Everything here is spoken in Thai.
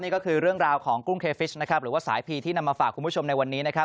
นี่ก็คือเรื่องราวของกุ้งเคฟิชนะครับหรือว่าสายพีที่นำมาฝากคุณผู้ชมในวันนี้นะครับ